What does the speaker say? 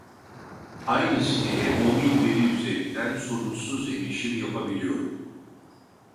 Aynı siteye mobil veri üzerinden sorunsuz erişim yapabiliyorum